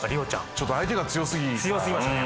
ちょっと相手が強すぎた強すぎましたね